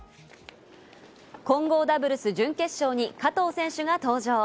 混合ダブルス準決勝に加藤選手が登場。